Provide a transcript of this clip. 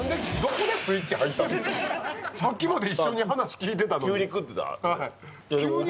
さっきまで一緒に話聞いてたのに。